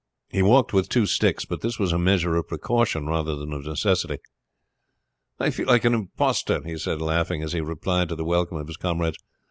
He walked with two sticks, but this was a measure of precaution rather than of necessity. "I feel like an impostor," he said, laughing, as he replied to the welcome of his comrades.